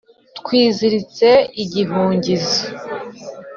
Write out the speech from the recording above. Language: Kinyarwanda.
twiziritse igihungizo,